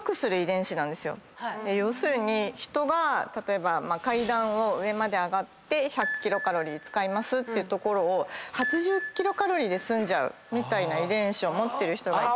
要するに人が階段を上まで上がって１００キロカロリー使いますってところを８０キロカロリーで済んじゃうみたいな遺伝子を持ってる人がいて。